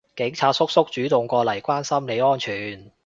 警察叔叔主動過嚟關心你安全